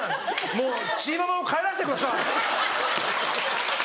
もうチーママを帰らせてください！